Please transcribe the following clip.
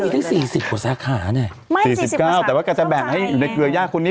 เก็บอีกซี่สิบขวดสาขาเนี่ยไม่๔๙แต่ว่ากันแบ่งให้อยู่ในเกลือย่างคนนี้